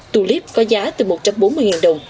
tù liếp có giá từ một trăm bốn mươi đồng